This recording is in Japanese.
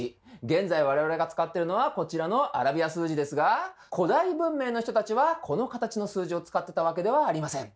現在我々が使ってるのはこちらのアラビア数字ですが古代文明の人たちはこの形の数字を使ってたわけではありません。